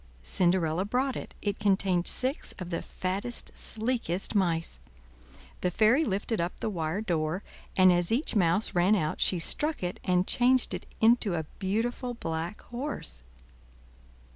Cinderella brought it; it contained six of the fattest, sleekest mice. The fairy lifted up the wire door, and as each mouse ran out she struck it and changed it into a beautiful black horse.